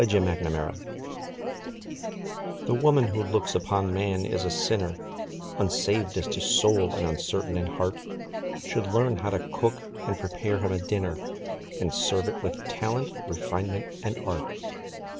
THE CUSINE The woman who looks upon man as a sinner Unsaved as to soul, and uncertain in heart, Should learn how to cook, and prepare him a dinner, And serve it with talent, refinement, and art.